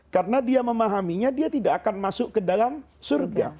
karena dia memahaminya dia tidak akan masuk ke dalam surga